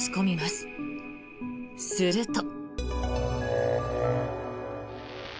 すると。